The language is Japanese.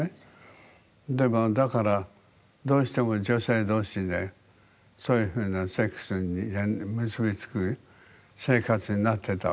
でもだからどうしても女性同士でそういうふうなセックスに結びつく生活になってたわけね。